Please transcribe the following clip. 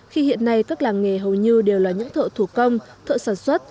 khi hiện nay các làng nghề hầu như đều là những thợ thủ công thợ sản xuất